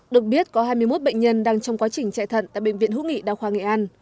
được biết có hai mươi một bệnh nhân đang trong quá trình chạy thận tại bệnh viện hữu nghị đào khoa nghệ an